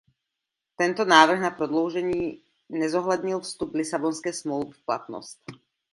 Tento návrh na prodloužení nezohlednil vstup Lisabonské smlouvy v platnost.